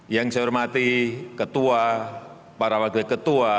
yang saya hormati ketua para wakil ketua